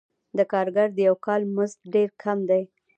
د کارګر د یوه کال مزد ډېر کم دی